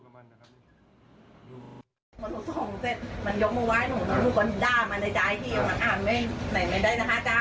ไม่เป็นไรพี่เดี๋ยวผมขึ้นแล้วไปเอียงความ